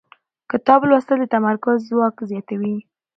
کتاب لوستل د تمرکز ځواک زیاتوي